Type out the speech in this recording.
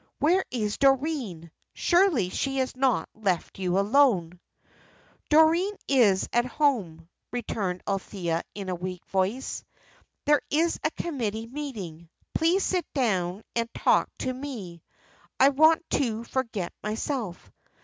"Where is Doreen? Surely she has not left you alone?" "Doreen is at the Home," returned Althea, in a weak voice. "There is a committee meeting. Please sit down and talk to me. I want to forget myself.